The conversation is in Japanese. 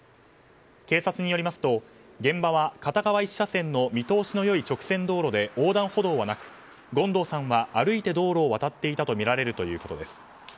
警察によりますと現場は、片側１車線の見通しの良い直線道路で横断歩道はなく権藤さんは歩いて道路を渡っていたとみられるということです。